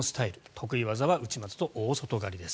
得意技は内股と大外刈りです。